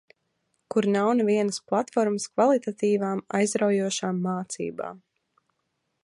Kur nav nevienas platformas kvalitatīvām, aizraujošām mācībām.